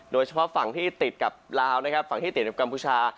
โดยเฉพาะฝั่งที่ติดกับลาวนะครับฝั่งที่ติดกับกัมพูชา